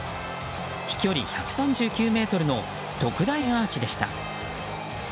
飛距離１３９ｍの特大アーチでした。